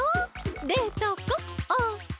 冷凍庫オープン！